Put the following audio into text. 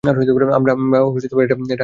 আমরা এটা হারাতে চলেছি।